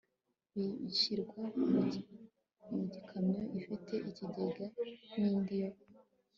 bishyirwa mu ikamyo ifite ikigega n indi yo